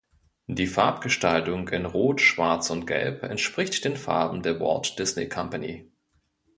Die Farbgestaltung in rot, schwarz und gelb entspricht den Farben der Walt Disney Company.